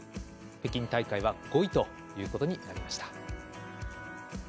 北京大会は５位ということになりました。